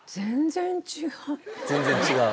全然違う？